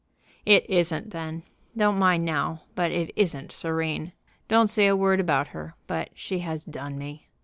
"It isn't then. Don't mind now, but it isn't serene. Don't say a word about her; but she has done me.